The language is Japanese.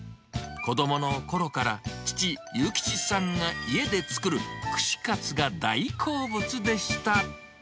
子どものころから、父、勇吉さんが家で作る串カツが大好物でした。